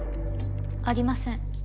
ありません。